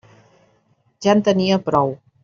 Ja en tenia prou.